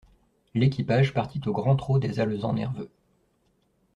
L'équipage partit au grand trot des alezans nerveux.